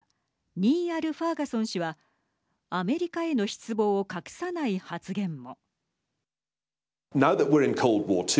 イギリス出身の歴史学者ニーアル・ファーガソン氏はアメリカへの失望を隠さない発言も。